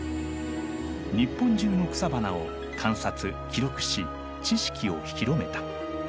日本中の草花を観察記録し知識を広めた。